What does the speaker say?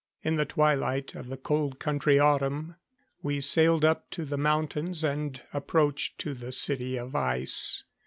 In the twilight of the Cold Country autumn, we sailed up to the mountains and approached to the City of Ice.